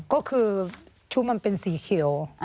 ก็คือชุดมันเป็นสีเขียว